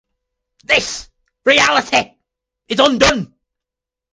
This reality is undone.